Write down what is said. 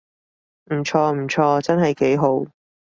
唔錯唔錯，真係幾好